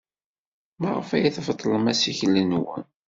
Maɣef ay tbeṭlem assikel-nwen?